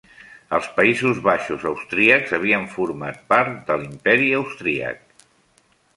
Els Països Baixos Austríacs havien format part de l'Imperi Austríac.